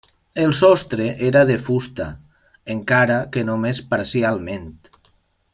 El sostre era de fusta, encara que només parcialment.